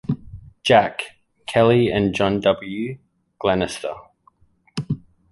"Jack" Kelly and John W. Glenister.